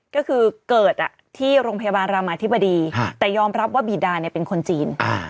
ก็คือเกิดที่โรงพยาบาลรามาธิบดีแต่ยอมรับว่าบีดาเป็นคนจีน